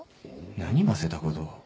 何ませたことを。